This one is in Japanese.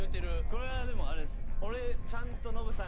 これはでもあれです。